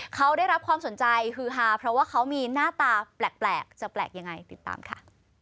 เขาได้รับความสนใจฮือฮาเพราะว่าเขามีหน้าตาแปลกจะแปลกยังไงติดตามค่ะ